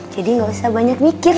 jadi gak usah banyak mikir